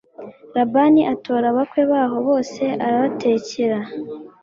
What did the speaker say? labani atora abakwe baho bose arabatekera